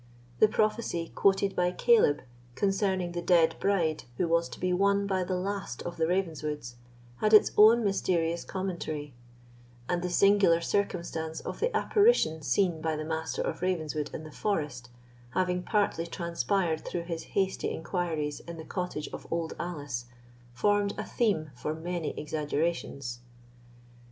The prophecy, quoted by Caleb, concerning the dead bride who was to be won by the last of the Ravenswoods, had its own mysterious commentary; and the singular circumstance of the apparition seen by the Master of Ravenswood in the forest, having partly transpired through his hasty inquiries in the cottage of Old Alice, formed a theme for many exaggerations.